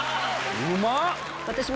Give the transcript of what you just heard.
うまっ！